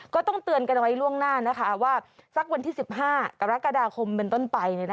ก็ต้องเตือนกันไว้ล่วงหน้านะคะว่าสักวันที่๑๕กรกฎาคมเป็นต้นไป